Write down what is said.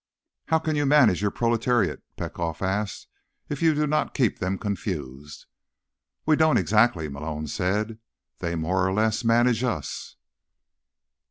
"How can you manage the proletariat," Petkoff asked, "if you do not keep them confused?" "We don't, exactly," Malone said. "They more or less manage us."